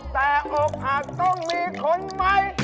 แต่อกหักต้องมีคนใหม่